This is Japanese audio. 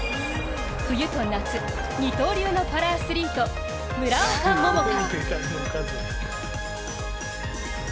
冬と夏二刀流のパラアスリート、村岡桃佳。